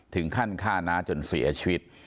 ถึงขั้นฆ่าน้าจนเสียชีวิต